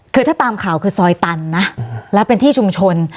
คือถ้าตามข่าวคือซอยตันนะแล้วเป็นที่ชุมชน